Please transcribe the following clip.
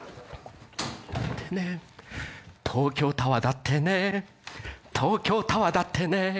東京タワーだってね東京タワーだってね